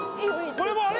これもあれ？